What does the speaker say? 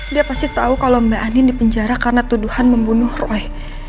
dia pasti tahu kalau mbak andin dipenjara karena tuduhan membunuh roy